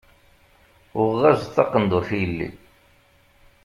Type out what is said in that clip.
Uɣeɣ-as-d taqendurt i yelli.